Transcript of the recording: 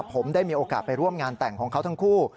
ผมได้มีโอกาสไปร่วมงานแต่งของเขาทั้งคู่